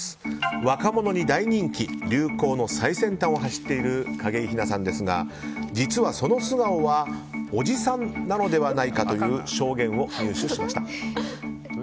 若者に大人気流行の最先端を走っている景井ひなさんですが実は、その素顔はおじさんなのではないかという証言を入手しました。